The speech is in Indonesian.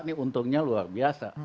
ini untungnya luar biasa